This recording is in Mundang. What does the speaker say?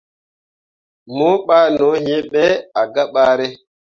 Mo ɓah no hĩĩ ɓe ah gah bare.